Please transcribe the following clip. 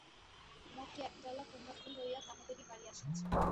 মতি একডালা কুমড়াফুল লইয়া তাহাদেরই বাড়ি আসিয়াছিল।